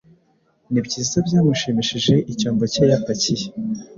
Nibyiza byamushimishije icyombo cye yapakiye